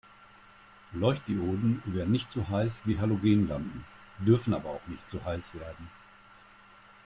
Leuchtdioden werden nicht so heiß wie Halogenlampen, dürfen aber auch nicht so heiß werden.